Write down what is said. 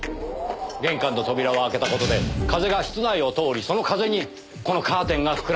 玄関の扉を開けた事で風が室内を通りその風にこのカーテンが膨らんだんです。